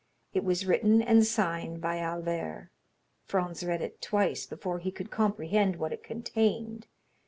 It was written and signed by Albert. Franz read it twice before he could comprehend what it contained.